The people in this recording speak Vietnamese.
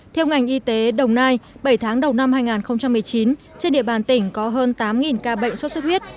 theo ngành y tế đồng nai bảy tháng đầu năm hai nghìn một mươi chín trên địa bàn tỉnh có hơn tám ca bệnh sốt xuất huyết